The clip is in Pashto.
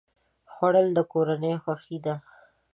خوړل د کورنۍ خوښي ده